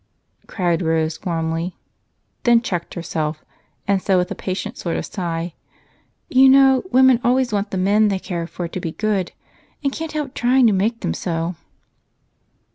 cried Rose warmly, then checked herself and said with a patient sort of sigh, "You know women always want the men they care for to be good and can't help trying to make them so."